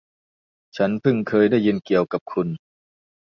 ฉันพึ่งเคยได้ยินเกี่ยวกับคุณ